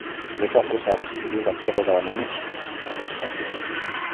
alitoa fursa ya kusikiliza kero za wananchi na kuzipatia